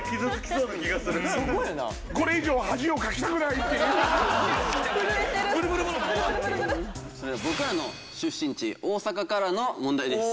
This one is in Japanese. それでは僕らの出身地大阪からの問題です。